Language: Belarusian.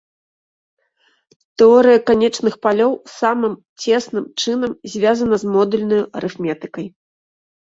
Тэорыя канечных палёў самым цесным чынам звязана з модульнаю арыфметыкай.